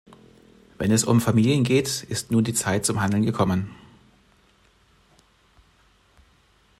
Wenn es um Familien geht, ist nun die Zeit zum Handeln gekommen.